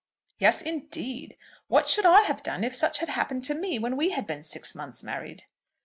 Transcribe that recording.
"Yes, indeed. What should I have done if such had happened to me when we had been six months married?"